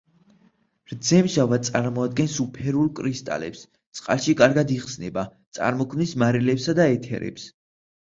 რძემჟავა წარმოადგენს უფერულ კრისტალებს, წყალში კარგად იხსნება, წარმოქმნის მარილებსა და ეთერებს.